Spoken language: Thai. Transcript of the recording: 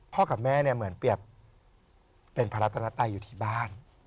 กับแม่เนี่ยเหมือนเปรียบเป็นพระรัตนไตอยู่ที่บ้าน